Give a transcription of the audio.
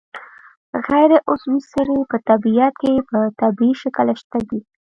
غیر عضوي سرې په طبیعت کې په طبیعي شکل شته دي.